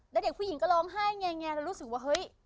แล้วเด็กผู้หญิงก็ร้องไห้แงแล้วรู้สึกว่าเฮ้ย